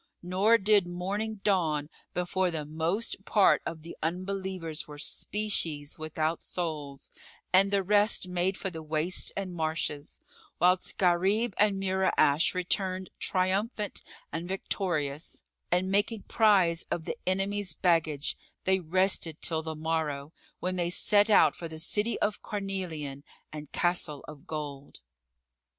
Nor did morning dawn before the most part of the unbelievers were species without souls and the rest made for the wastes and marshes, whilst Gharib and Mura'ash returned triumphant and victorious; and, making prize of the enemy's baggage, they rested till the morrow, when they set out for the City of Carnelian and Castle of Gold.